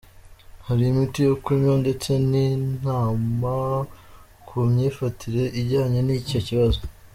Hari imiti yo kunywa ndetse n’inama ku myifatire ijyanye n’icyo kibazo”.